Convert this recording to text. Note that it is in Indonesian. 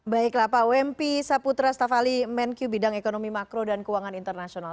baiklah pak wempi saputra stafali menq bidang ekonomi makro dan keuangan internasional